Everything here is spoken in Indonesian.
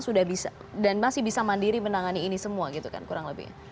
sudah bisa dan masih bisa mandiri menangani ini semua gitu kan kurang lebih